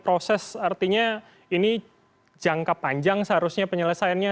proses artinya ini jangka panjang seharusnya penyelesaiannya